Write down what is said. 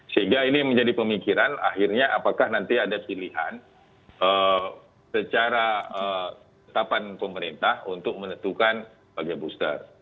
sehingga ini menjadi pemikiran akhirnya apakah nanti ada pilihan secara tetapan pemerintah untuk menentukan pakai booster